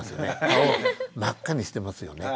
顔を真っ赤にしてますよね。